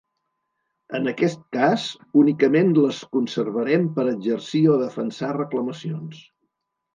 En aquest cas, únicament les conservarem per exercir o defensar reclamacions.